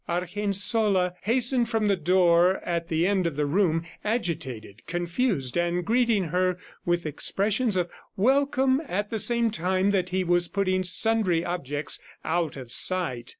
Argensola hastened from the door at the end of the room, agitated, confused, and greeting her with expressions of welcome at the same time that he was putting sundry objects out of sight.